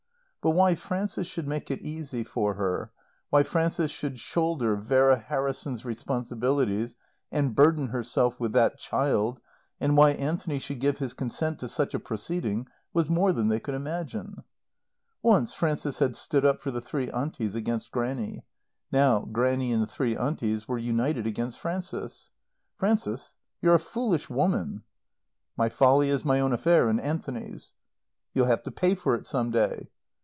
But why Frances should make it easy for her, why Frances should shoulder Vera Harrison's responsibilities, and burden herself with that child, and why Anthony should give his consent to such a proceeding, was more than they could imagine. Once Frances had stood up for the three Aunties, against Grannie; now Grannie and the three Aunties were united against Frances. "Frances, you're a foolish woman." "My folly is my own affair and Anthony's." "You'll have to pay for it some day."